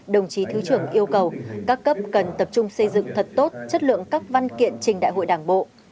đồng chí thứ trưởng yêu cầu các cấp cần tập trung xây dựng thật tốt chất lượng các văn kiện trình đại hội đảng bộ